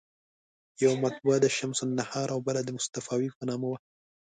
یوه مطبعه د شمس النهار او بله مصطفاوي په نامه وه.